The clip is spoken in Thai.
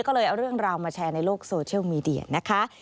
ก็เลยเอาเรื่องราวมาแชร์ในโลกโซเชียลมีเดียนะคะ